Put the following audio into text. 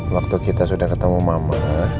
waktu kita sudah ketemu mama